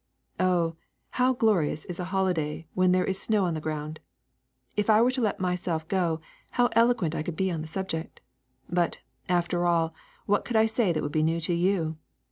^' Oh, how glorious is a holiday when there is snow on the ground ! If I were to let myself go, how elo quent I could be on the subject ! But, after all, what could I say that would be new to you?